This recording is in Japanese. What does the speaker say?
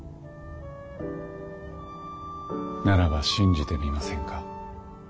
ならば信じてみませんか？